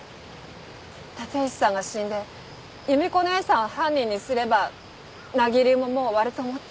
立石さんが死んで夕美子姉さんを犯人にすれば名木流ももう終わると思って。